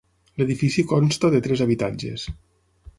L'edifici consta de tres habitatges.